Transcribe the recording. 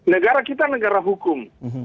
negara kita negara hukum